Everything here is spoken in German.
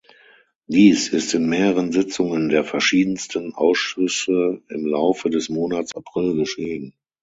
Dies ist in mehreren Sitzungen der verschiedensten Ausschüsse im Laufe des Monats April geschehen.